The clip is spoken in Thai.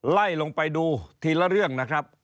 ไล่ลงไปดูทีละเรื่องนะครับ